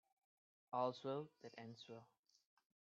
All's well that ends well.